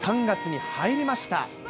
３月に入りました。